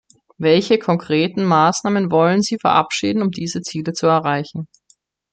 Welche konkreten Maßnahmen wollen Sie verabschieden, um diese Ziele zu erreichen?